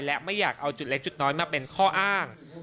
และไม่อยากเอาจุดเล็กจุดน้อยมาเป็นข้ออ้าง